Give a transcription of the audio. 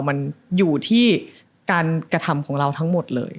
มันอยู่ที่การกระทำของเราทั้งหมดเลย